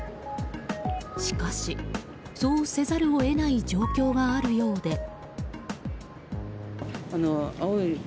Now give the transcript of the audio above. しかし、そうせざるを得ない状況があるようで。